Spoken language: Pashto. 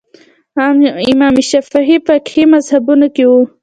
امام شافعي فقهي مذهبونو کې وو